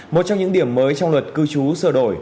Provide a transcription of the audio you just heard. một trong những điểm mới trong luật cư trú sửa đổi